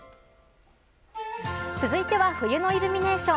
続いては、冬のイルミネーション。